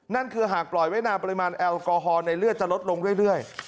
นั่นคือหากปล่อยไว้นานปริมาณแอลกอฮอลในเลือดจะลดลงเรื่อย